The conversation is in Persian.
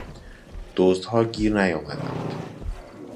دزد ها گیر نیامدند